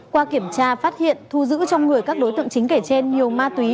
qua kiểm tra phát hiện thu giữ trong người các đối tượng chính kể trên nhiều ma túy